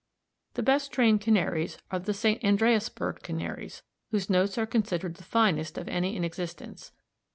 The best trained Canaries are the St. Andreasberg Canaries, whose notes are considered the finest of any in existence.